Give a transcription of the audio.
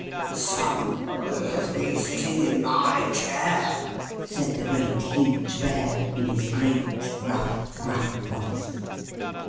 "=Somebody has been sitting in my chair!=" said the Great, Huge Bear, in his great, rough, gruff voice.